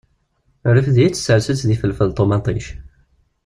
Rfed-itt sers-itt d ifelfel d ṭumaṭic.